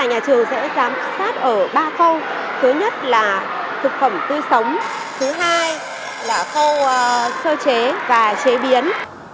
phụ huynh sẽ giám sát ở ba câu thứ nhất là thực phẩm tươi sống thứ hai là câu sơ chế và chế biến